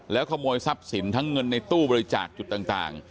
ขโมยทรัพย์สินทั้งเงินในตู้บริจาคจุดต่าง